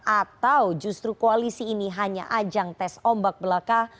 atau justru koalisi ini hanya ajang tes ombak belaka